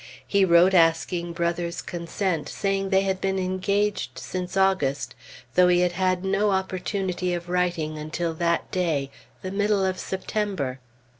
He wrote asking Brother's consent, saying they had been engaged since August, though he had had no opportunity of writing until that day the middle of September.